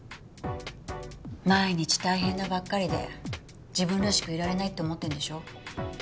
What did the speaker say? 毎日大変なばっかりで自分らしくいられないって思ってるんでしょ？